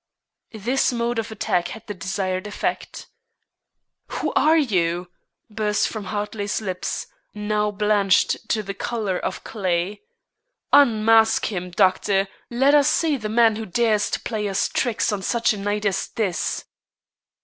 This mode of attack had the desired effect. "Who are you?" burst from Hartley's lips, now blanched to the color of clay. "Unmask him, doctor; let us see the man who dares to play us tricks on such a night as this!"